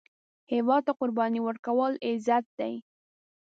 هیواد ته قرباني ورکول، عزت دی